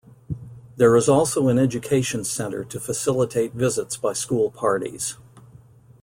There is also an education centre to facilitate visits by school parties.